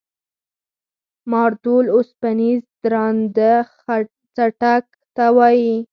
مارتول اوسپنیز درانده څټک ته وایي.